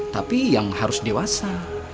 tapi yang harus dewasa